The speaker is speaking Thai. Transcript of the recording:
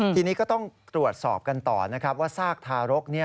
ทีนี้ก็ต้องตรวจสอบกันต่อนะครับว่าซากทารก